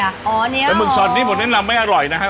แต่หึกสดนี้ผมแนะนำไม่อร่อยนะครับ